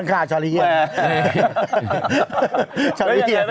กะตุ่มต่อ